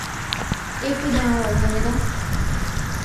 একটু দাঁড়াও, ভাইয়েরা।